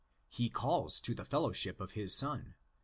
He calls to the fellowship of his Son (i.